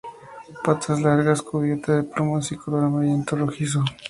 Patas largas, cubierta de plumas y de color amarillento rojizo.